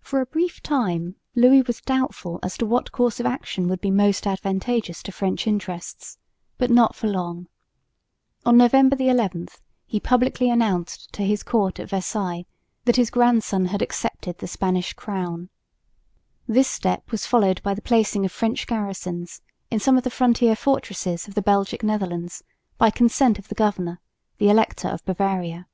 For a brief time Louis was doubtful as to what course of action would be most advantageous to French interests, but not for long. On November 11 he publicly announced to his court at Versailles that his grandson had accepted the Spanish crown. This step was followed by the placing of French garrisons in some of the frontier fortresses of the Belgic Netherlands by consent of the governor, the Elector of Bavaria.